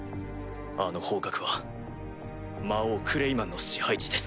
あの方角は魔王クレイマンの支配地です。